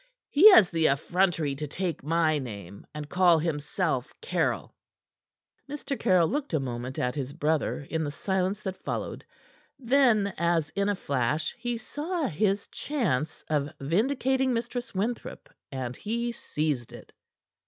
He has the effrontery to take my name, and call himself Caryll." Mr. Caryll looked a moment at his brother in the silence that followed. Then, as in a flash, he saw his chance of vindicating Mistress Winthrop, and he seized it.